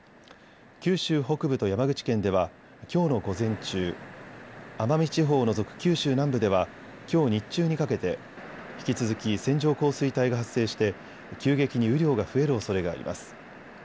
九州北部と山口県ではきょうの午前中、奄美地方を除く九州南部ではきょう日中にかけて引き続き線状降水帯が発生して急激に雨量が増えるおそれがあります。